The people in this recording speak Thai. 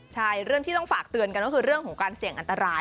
ใช่เรื่องที่ต้องฝากเตือนกันก็คือเรื่องของการเสี่ยงอันตราย